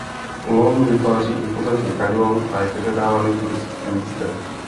Lom vytváří impozantní kaňon a je vyhledávaným turistickým místem.